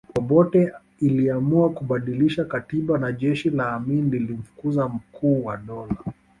Obote iliamua kubadilisha katiba na jeshi la Amini lilimfukuza Mkuu wa Dola